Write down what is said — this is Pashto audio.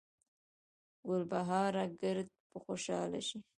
ګلبهاره ګړد به خوشحاله شي